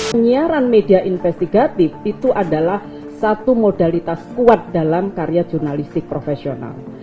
penyiaran media investigatif itu adalah satu modalitas kuat dalam karya jurnalistik profesional